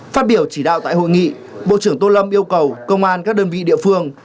phát biểu chỉ đạo tại hội nghị bộ trưởng tô lâm yêu cầu công an các đơn vị địa phương